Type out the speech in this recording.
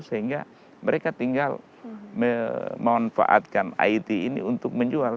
sehingga mereka tinggal memanfaatkan it ini untuk menjual